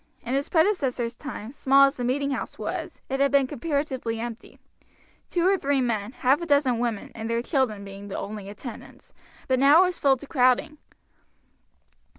In his predecessor's time, small as the meeting house was, it had been comparatively empty; two or three men, half a dozen women, and their children being the only attendants, but it was now filled to crowding.